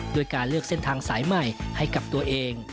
ด้วยการเลือกเส้นทางสายใหม่ให้กับตัวเอง